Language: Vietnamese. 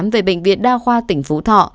về bệnh viện đa khoa tỉnh phú thọ